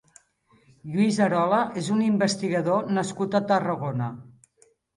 Lluís Arola és un investigador nascut a Tarragona.